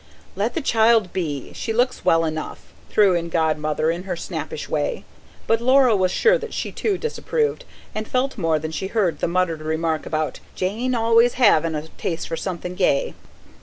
"Let the child be. She looks well enough," threw in Godmother in her snappish way. But Laura was sure that she, too disapproved; and felt more than she heard the muttered remark about "Jane always having had a taste for something gay."